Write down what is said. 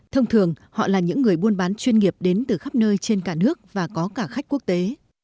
thông thường họ là những người buôn bán chuyên nghiệp đến từ khắp nơi trên cả nước và có cả khách quốc tế